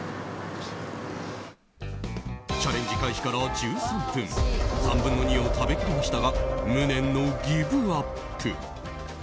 チャレンジ開始から１３分３分の２を食べきりましたが無念のギブアップ。